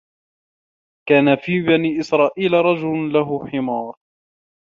كَانَ فِي بَنِي إسْرَائِيلَ رَجُلٌ لَهُ حِمَارٌ